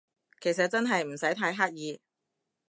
其實真係唔使太刻意